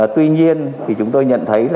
tuy nhiên chúng tôi nhận thấy